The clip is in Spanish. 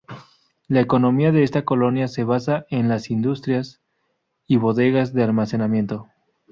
La economía de esta colonia se basa en las industrias y bodegas de almacenamiento.